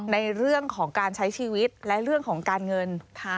ในเรื่องของการใช้ชีวิตและเรื่องของการเงิน